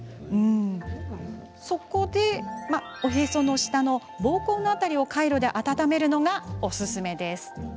そこで、おへその下ぼうこうの辺りをカイロで温めるのがおすすめ。